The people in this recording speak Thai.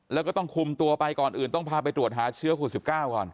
แล้วก็ต้องคุมตัวไปก่อนอื่นต้องพาไปตรวจหาเชื้อโควิด๑๙ก่อน